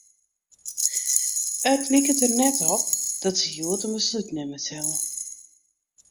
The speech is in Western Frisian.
It liket der net op dat se hjoed in beslút nimme sille.